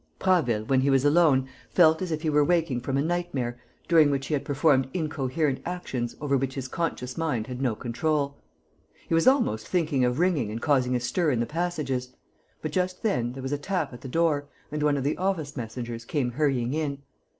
Prasville, when he was alone, felt as if he were waking from a nightmare during which he had performed incoherent actions over which his conscious mind had no control. He was almost thinking of ringing and causing a stir in the passages; but, just then, there was a tap at the door and one of the office messengers came hurrying in.